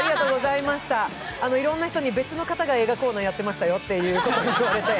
いろんな人に、別の方が映画コーナーやってましたよって言われて。